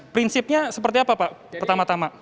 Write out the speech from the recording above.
prinsipnya seperti apa pak pertama tama